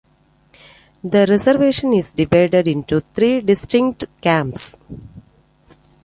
The reservation is divided into three distinct camps.